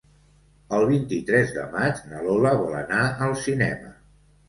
El vint-i-tres de maig na Lola vol anar al cinema.